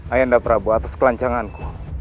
ayahanda prabu atas kelancanganku